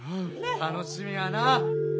楽しみやな。